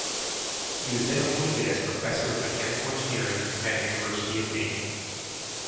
He was then appointed as Professor of Mechanical Engineering at University of Maine.